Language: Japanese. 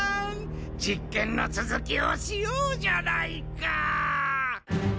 実験の続きをしようじゃないか！